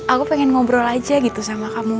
aku pengen ngobrol aja gitu sama kamu